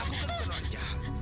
aku kan kena loncat